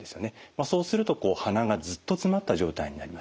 そうするとこう鼻がずっとつまった状態になります。